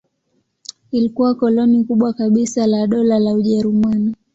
Ilikuwa koloni kubwa kabisa la Dola la Ujerumani.